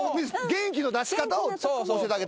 元気の出し方を教えてあげて。